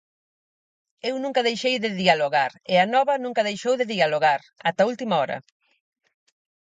Eu nunca deixei de dialogar e Anova nunca deixou de dialogar, ata última hora.